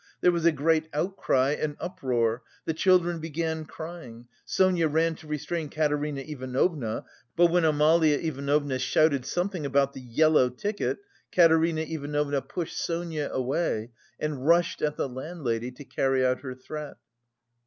There was a great outcry and uproar, the children began crying. Sonia ran to restrain Katerina Ivanovna, but when Amalia Ivanovna shouted something about "the yellow ticket," Katerina Ivanovna pushed Sonia away, and rushed at the landlady to carry out her threat.